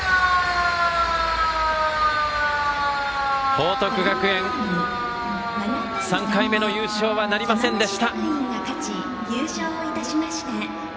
報徳学園、３回目の優勝はなりませんでした。